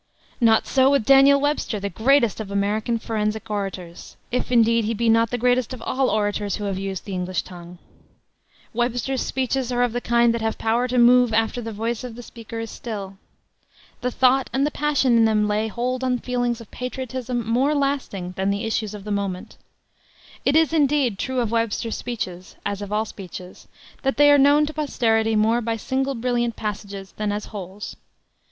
Not so with Daniel Webster, the greatest of American forensic orators, if, indeed, he be not the greatest of all orators who have used the English tongue. Webster's speeches are of the kind that have power to move after the voice of the speaker is still. The thought and the passion in them lay hold on feelings of patriotism more lasting than the issues of the moment. It is, indeed, true of Webster's speeches, as of all speeches, that they are known to posterity more by single brilliant passages than as wholes.